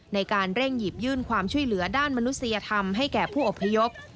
ในการเร่งหยิบยื่นความช่วยเหลือด้านมนุษยธรรมให้แก่ผู้อพยพ